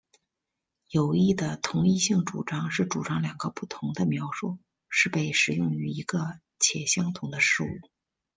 有益的同一性主张是主张两个不同的描述是被使用于一个且相同的事物。